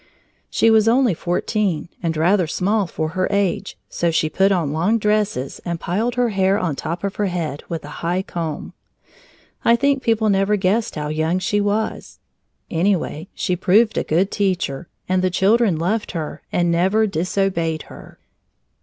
She was only fourteen and rather small for her age, so she put on long dresses and piled her hair on top of her head with a high comb. I think people never guessed how young she was. Anyway, she proved a good teacher, and the children loved her and never disobeyed her.